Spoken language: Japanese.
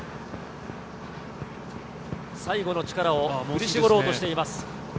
最後の力を振り絞ろうとしています。